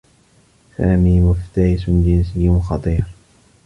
سامي مفترس جنسيّ خطير.